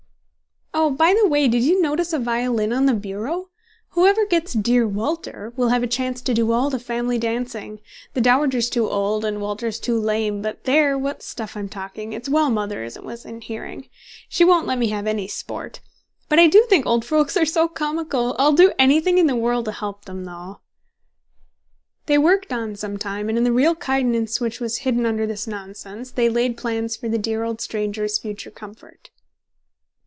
"Oh, by the way, did you notice a violin on the bureau? Whoever gets 'dear Walter' will have a chance to do all the family dancing. The dowager's too old, and Walter's too lame; but there, what stuff I'm talking; it's well mother isn't within hearing. She won't let me have any sport. But I do think old folks are so comical! I'll do anything in the world to help them, though." They worked on some time, and in the real kindness which was hidden under this nonsense they laid plans for the dear old stranger's future comfort.